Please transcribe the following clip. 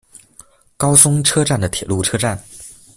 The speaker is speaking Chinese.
高松车站的铁路车站。